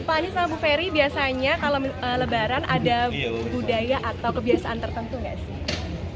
pak anies sama bu ferry biasanya kalau lebaran ada budaya atau kebiasaan tertentu nggak sih